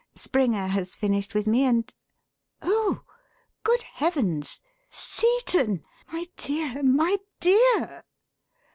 Springer has finished with me, and oh! Good heavens! Seton! My dear, my dear!"